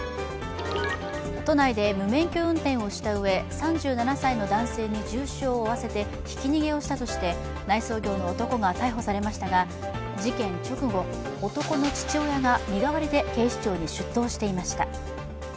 都内で無免許運転をしたうえ、３７歳の男性に重傷を負わせてひき逃げをしたとして内装業の男が逮捕されましたが事件直後、男の父親が身代わりで警視庁に出頭していました。